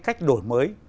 cách đổi mới